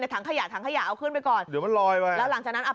ถังขยะถังขยะเอาขึ้นไปก่อนเดี๋ยวมันลอยไปแล้วหลังจากนั้นอ่ะ